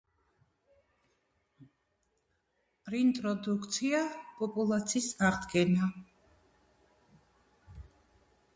რინტროდუქცია-პოპულაცის აღდგენა